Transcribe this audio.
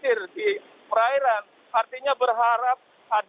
harusnya kan mereka berasa jelas